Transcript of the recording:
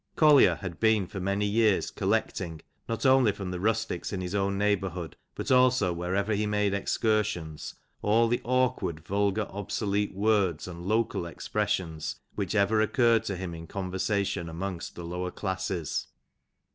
" Collier had been for many years collecting, not only from the rustics in his own neighbourhood, but also wherever he made excursions, all the awkward, vulgar, obsolete words, and local expressions, which ever occurred to him in conversation amongst the lower classes.